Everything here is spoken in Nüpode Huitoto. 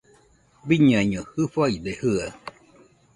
Biñaiño jɨfaide jɨaɨ